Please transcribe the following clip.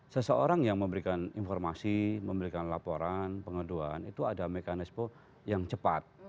seseorang yang memberikan informasi memberikan laporan pengaduan itu ada mekanisme yang cepat